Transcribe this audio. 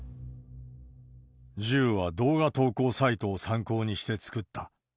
銃は、動画投稿サイトを参考にして作った。